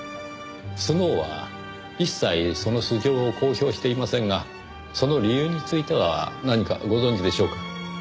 スノウは一切その素性を公表していませんがその理由については何かご存じでしょうか？